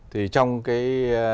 thì trong cái